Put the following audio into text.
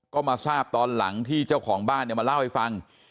ก็มาทราบตอนหลังที่เจ้าของบ้านเนี่ยมาเล่าให้ฟัง